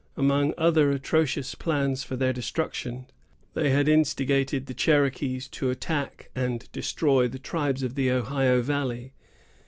Among other atrocious plans for their destruction, they had instigated the Cherokees to attack and destroy the tribes of the Ohio valley.